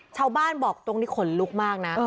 ชาวบ้านบอกตรงนี้ขนลุกมากนะ